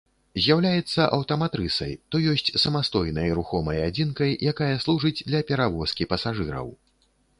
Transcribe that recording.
З'яўляецца аўтаматрысай, то ёсць самастойнай рухомай адзінкай, якая служыць для перавозкі пасажыраў.